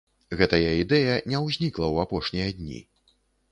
Гэтая ідэя не ўзнікла ў апошнія дні.